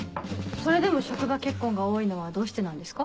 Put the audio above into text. それでも職場結婚が多いのはどうしてなんですか？